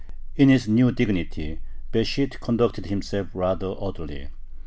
In his new dignity, Besht conducted himself rather oddly.